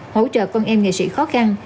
hỗ trợ con em nghệ sĩ khó khăn